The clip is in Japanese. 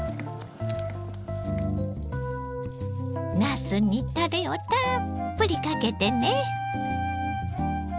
なすにたれをたっぷりかけてね。